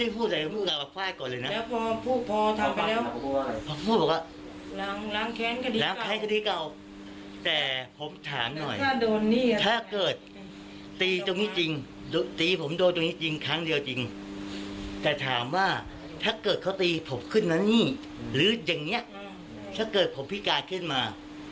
หรืออย่างนี้ถ้าเกิดโผล่พริการขึ้นมา